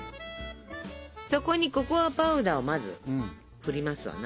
そこにココアパウダーをまず振りますわな。